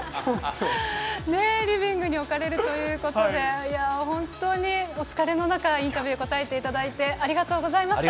ねえ、リビングに置かれるということで、本当にお疲れの中、インタビュー答えていただいてありがとうございました。